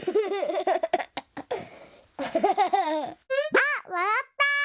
あっわらった！